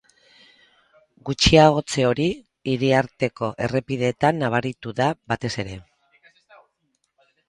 Gutxiagotze hori, hiriarteko errepideetan nabaritu da batez ere.